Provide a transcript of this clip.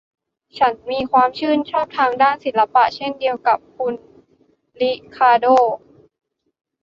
ฉันมีความชื่นชอบทางด้านศิลปะเช่นเดียวกับคุณริคาร์โด้